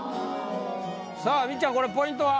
さぁみっちゃんこれポイントは？